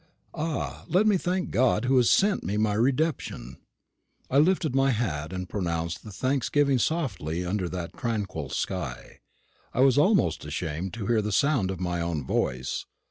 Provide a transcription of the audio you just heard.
Ah, let me thank God, who has sent me my redemption. I lifted my hat, and pronounced the thanksgiving softly under that tranquil sky. I was almost ashamed to hear the sound of my own voice.